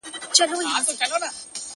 دا موسیقي نه ده جانانه ـ دا سرگم نه دی ـ